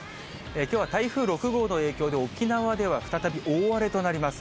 きょうは台風６号の影響で、沖縄では再び大荒れとなります。